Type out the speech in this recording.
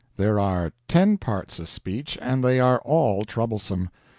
There are ten parts of speech, and they are all troublesome.